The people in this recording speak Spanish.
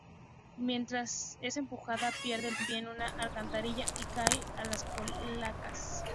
Mientras es empujada pierde el pie en una alcantarilla y cae a las cloacas.